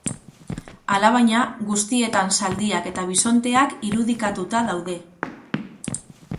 Alabaina, guztietan zaldiak eta bisonteak irudikatuta daude.